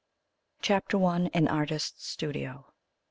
CHAPTER I. AN ARTIST'S STUDIO.